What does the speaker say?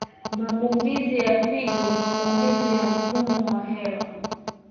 Maambukizi ya figo Maambukizi ya mfumo wa hewa